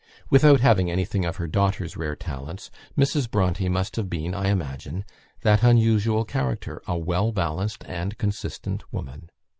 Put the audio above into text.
Without having anything of her daughter's rare talents, Mrs. Bronte must have been, I imagine, that unusual character, a well balanced and consistent woman.